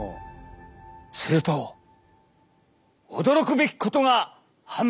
すると驚くべきことが判明したのだ！